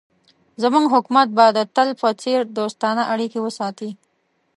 زموږ حکومت به د تل په څېر دوستانه اړیکې وساتي.